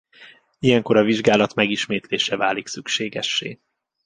Ilyenkor a vizsgálat megismétlése válik szükségessé.